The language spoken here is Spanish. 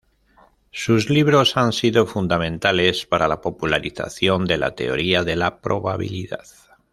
Sus libros han sido fundamentales para la popularización de la teoría de la probabilidad.